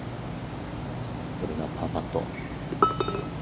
これがパーパット。